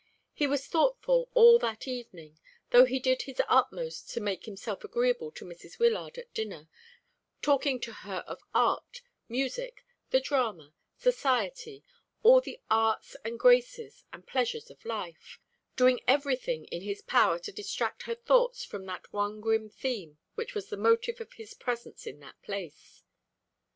He was thoughtful all that evening, though he did his utmost to make himself agreeable to Mrs. Wyllard at dinner, talking to her of art, music, the drama, society, all the arts and graces and pleasures of life doing everything in his power to distract her thoughts from that one grim theme which was the motive of his presence in that place.